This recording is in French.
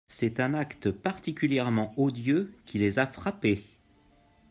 C’est un acte particulièrement odieux qui les a frappés.